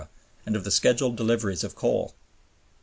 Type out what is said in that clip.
and of the scheduled deliveries of coal.